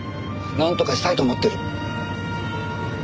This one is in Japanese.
なんとかしたいと思ってる。